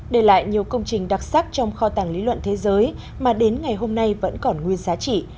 để lại nhiều công trình đặc sắc trong kho tàng lý luận thế giới mà đến ngày hôm nay vẫn còn nguyên giá trị